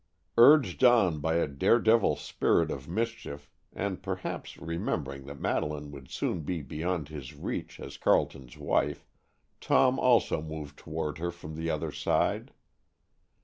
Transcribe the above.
Urged on by a daredevil spirit of mischief, and perhaps remembering that Madeleine would soon be beyond his reach as Carleton's wife, Tom also moved toward her from the other side.